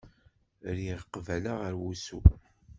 Rriɣ qbala ɣer wusu.